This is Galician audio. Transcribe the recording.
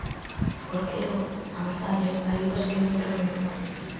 Porque eu, a verdade, alí pasei moito medo.